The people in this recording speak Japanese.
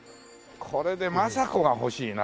これで政子が欲しいな。